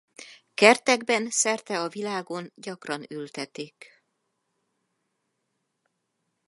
Kertekben szerte a világon gyakran ültetik.